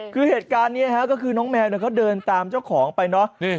คือเหตุการณ์นี้ก็คือน้องแมวเขาเดินตามเจ้าของไปเนอะ